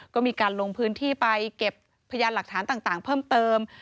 ก็มีการลงพื้นที่ไปเก็บพยานหลักฐานต่างเพิ่มเติม